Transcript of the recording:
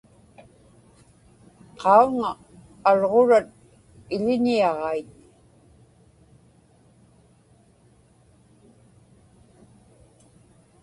qauna alġurat iḷiñiaġait